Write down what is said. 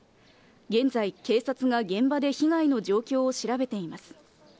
現在、警察が現場で被害の状況を調べています。